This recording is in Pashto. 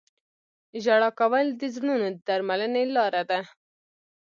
• ژړا کول د زړونو د درملنې لاره ده.